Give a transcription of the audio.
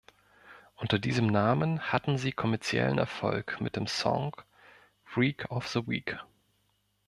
Unter diesem Namen hatten sie kommerziellen Erfolg mit dem Song "Freak of the Week".